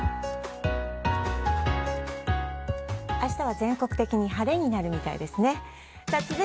明日は全国的に晴れになるみたいですねさあ